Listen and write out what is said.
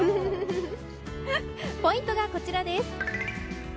ポイントがこちらです。